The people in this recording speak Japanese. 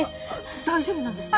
大丈夫なんですか？